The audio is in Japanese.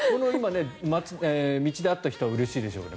道で会った人はうれしいでしょうね。